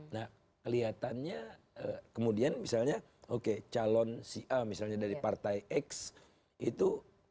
nah kelihatannya kemudian misalnya oke calon si a misalnya dari partai x itu